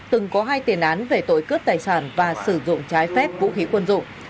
từng có hai tiền án về tội cướp tài sản và sử dụng trái phép vũ khí quân dụng